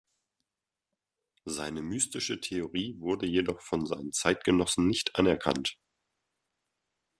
Seine mystische Theorie wurde jedoch von seinen Zeitgenossen nicht anerkannt.